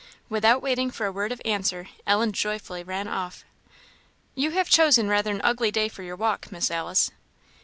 Without waiting for a word of answer, Ellen joyfully ran off. "You have chosen rather an ugly day for your walk, Miss Alice."